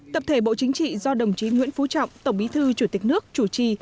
tập thể bộ chính trị do đồng chí nguyễn phú trọng tổng bí thư chủ tịch nước chủ trì